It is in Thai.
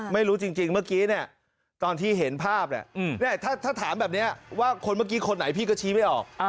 ไม่รู้จริงเมื่อกี้เนี่ยตอนที่เห็นภาพถ้าถามแบบนี้ว่าคนเมื่อกี้คนไหนพี่ก็ชี้ไม่ออก